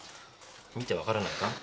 見て分からないか。